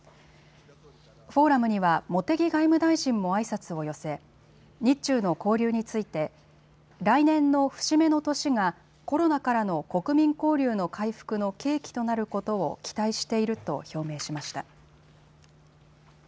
フォーラムには茂木外務大臣もあいさつを寄せ日中の交流について来年の節目の年がコロナからの国民交流の回復の契機となることを期待していると表明しました。